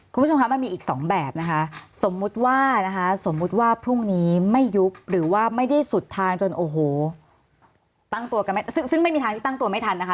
คุณผู้ชมคะมันมีอีกสองแบบนะคะสมมุติว่านะคะสมมุติว่าพรุ่งนี้ไม่ยุบหรือว่าไม่ได้สุดทางจนโอ้โหตั้งตัวกันซึ่งซึ่งไม่มีทางที่ตั้งตัวไม่ทันนะคะ